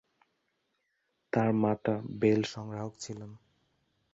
তার মাতা বেল সংগ্রাহক ছিলেন।